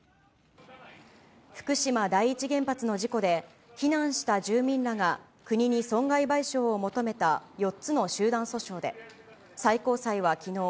福島第一原発の事故で、避難した住民らが国に損害賠償を求めた４つの集団訴訟で、最高裁はきのう、